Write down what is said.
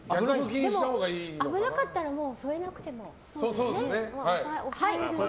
危なかったらもう添えなくても。